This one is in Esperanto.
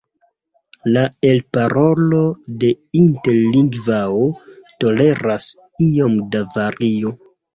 La elparolo de interlingvao toleras iom da vario.